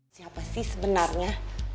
siapa sih sebenarnya